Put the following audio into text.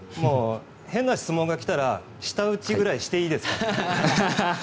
変な質問が来たら舌打ちぐらいしていいです。